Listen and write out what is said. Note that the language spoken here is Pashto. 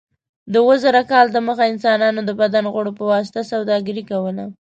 د اوه زره کاله دمخه انسانانو د بدن غړو په واسطه سوداګري کوله.